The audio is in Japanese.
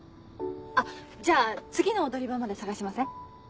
あっじゃあ次の踊り場まで捜しません？